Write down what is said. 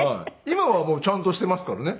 今はちゃんとしてますからね